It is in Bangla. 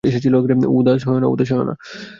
উদাস হয়ো না।